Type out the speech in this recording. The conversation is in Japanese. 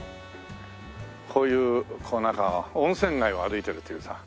こういうこうなんか温泉街を歩いてるというさ。